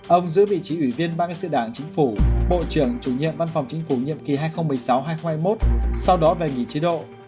ông giữ vị trí ủy viên ban sự đảng chính phủ bộ trưởng chủ nhiệm văn phòng chính phủ nhiệm kỳ hai nghìn một mươi sáu hai nghìn hai mươi một sau đó về nghỉ chế độ